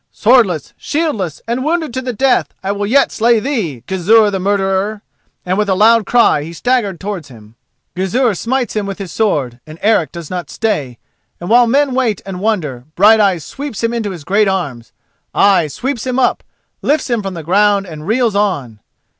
—swordless, shieldless, and wounded to the death I will yet slay thee, Gizur the Murderer!" and with a loud cry he staggered towards him. Gizur smites him with his sword, but Eric does not stay, and while men wait and wonder, Brighteyes sweeps him into his great arms—ay, sweeps him up, lifts him from the ground and reels on.